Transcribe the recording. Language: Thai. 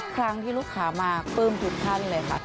ครั้งที่ลูกค้ามาปลื้มทุกท่านเลยค่ะ